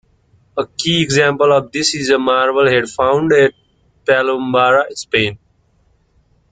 A key example of this is a marble head found at Palombara, Spain.